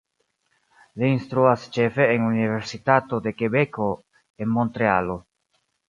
Li instruas ĉefe en Universitato de Kebeko en Montrealo.